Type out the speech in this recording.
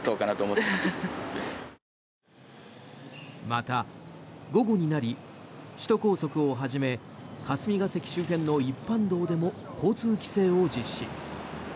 また、午後になり首都高速をはじめ霞が関周辺の一般道でも交通規制を実施。